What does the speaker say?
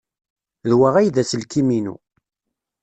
D wa ay d aselkim-inu.